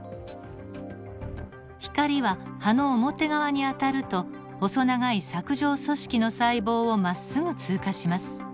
光は葉の表側に当たると細長い柵状組織の細胞をまっすぐ通過します。